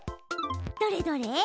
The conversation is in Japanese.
どれどれ？